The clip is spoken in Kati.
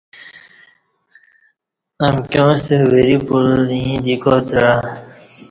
امکیاں ستہ وری پل ییں دی کار تعہ